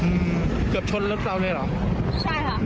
อื้มเกือบชดละเราเลยเหรอใช่ค่ะเพราะว่าตอนที่ว่าเขาปาด